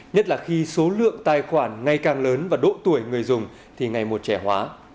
nhất là khi số lượng tài khoản ngày càng lớn và độ tuổi người dùng thì ngày một trẻ hóa